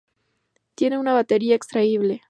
Tiene una batería extraíble.